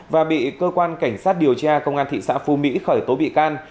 và bị cơ quan cảnh sát điều tra công an thị xã phú mỹ khởi tố bị can